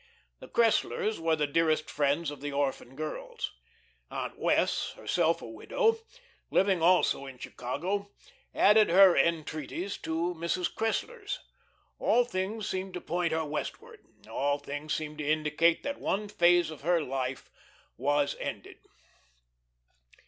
The Cresslers were the dearest friends of the orphan girls. Aunt Wess', herself a widow, living also in Chicago, added her entreaties to Mrs. Cressler's. All things seemed to point her westward, all things seemed to indicate that one phase of her life was ended.